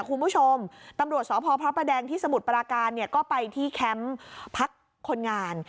คุณผู้ชมตำรวจสพพระประแดงที่สมุทรปราการเนี่ยก็ไปที่แคมป์พักคนงาน